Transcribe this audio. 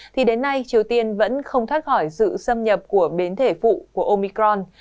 thì đến nay triều tiên vẫn không thoát khỏi sự xâm nhập của biến thể phụ của omicron